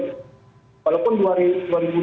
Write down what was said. itu sudah diperhatikan